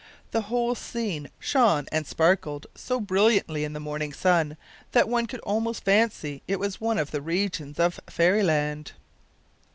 The whole scene shone and sparkled so brilliantly in the morning sun, that one could almost fancy it was one of the regions of fairyland!